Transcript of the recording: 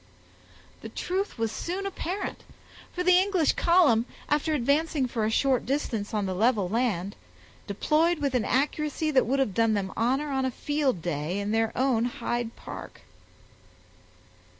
The truth was soon apparent; for the English column, after advancing for a short distance on the level land, deployed with an accuracy that would have done them honor on a field day in their own Hyde Park.